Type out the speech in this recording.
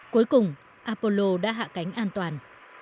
cuối cùng apollo đã hạ cánh an toàn